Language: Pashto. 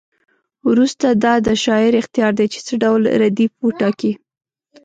وروسته دا د شاعر اختیار دی چې څه ډول ردیف وټاکي.